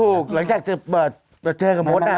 ถูกหลังจากจะเจอกับโมสน่ะ